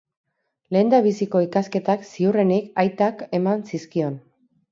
Lehendabiziko ikasketak ziurrenik aitak eman zizkion.